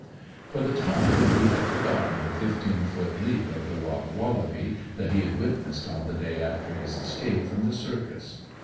For the time he had forgotten the fifteen foot leap of the rock wallaby that he had witnessed on the day after his escape from the circus.